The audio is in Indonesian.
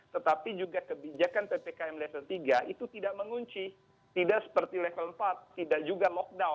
tetapi juga kebijakan ppkm level tiga itu tidak mengunci tidak seperti level empat tidak juga lockdown